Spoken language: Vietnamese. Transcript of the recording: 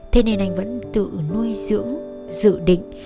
thế nên anh vẫn tự nuôi dưỡng dự định